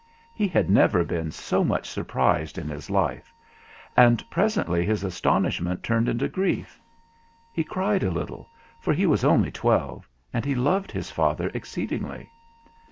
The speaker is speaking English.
He had never been so much surprised in his life, and presently his astonishment turned into grief. He cried a little, for he was only twelve and he loved his father exceedingly.